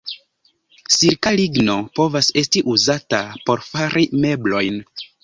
Silka ligno povas esti uzata por fari meblojn.